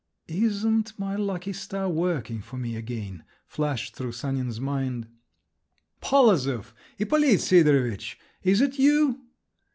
"Isn't my lucky star working for me again?" flashed through Sanin's mind. "Polozov! Ippolit Sidorovitch! Is it you?"